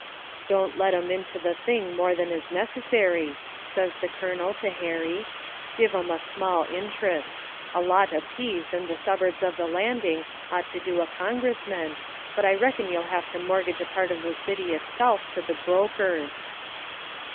"Don't let 'em into the thing more than is necessary," says the Colonel to Harry; "give 'em a small interest; a lot apiece in the suburbs of the Landing ought to do a congressman, but I reckon you'll have to mortgage a part of the city itself to the brokers."